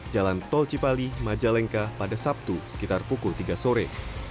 jalan tol cipali majalengka pada sabtu sekitar pukul tiga sore